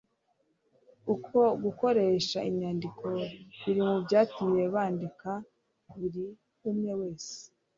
uko gukoresha inyandiko biri mu byatumye bandika buri umwe wese